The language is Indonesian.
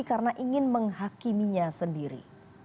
karena ingin menghakiminya sendiri